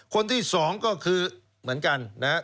คนที่สองก็คือเหมือนกันนะครับ